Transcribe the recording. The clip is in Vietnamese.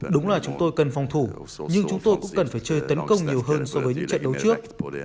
đúng là chúng tôi cần phòng thủ nhưng chúng tôi cũng cần phải chơi tấn công nhiều hơn so với những trận đấu trước